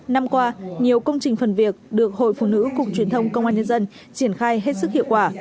năm qua nhiều công trình phần việc được hội phụ nữ cục truyền thông công an nhân dân triển khai hết sức hiệu quả